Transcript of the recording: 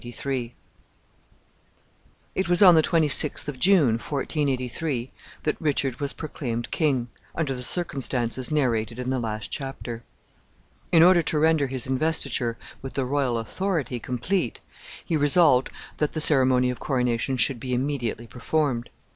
The torches. It was on the 26th of June, 1483, that Richard was proclaimed king, under the circumstances narrated in the last chapter. In order to render his investiture with the royal authority complete, he resolved that the ceremony of coronation should be immediately performed.